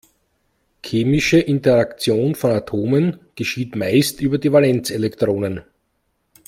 Chemische Interaktion von Atomen geschieht meist über die Valenzelektronen.